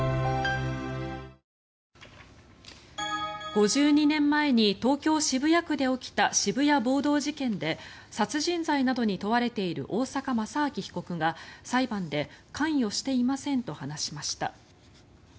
５２年前に東京・渋谷区で起きた渋谷暴動事件で殺人罪に問われている大坂正明被告が裁判で関与していませんと話しました。